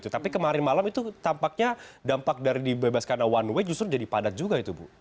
tapi kemarin malam itu tampaknya dampak dari dibebaskan one way justru jadi padat juga itu bu